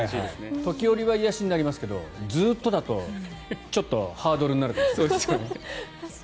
時折は癒やしになりますがずっとだとハードルになるかも。